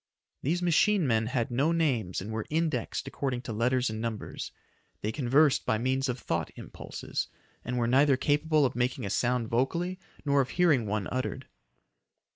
These machine men had no names and were indexed according to letters and numbers. They conversed by means of thought impulses, and were neither capable of making a sound vocally nor of hearing one uttered.